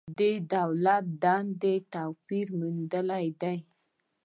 د دولت دندې توپیر موندلی دی.